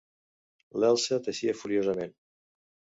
L'Elsa teixia furiosament.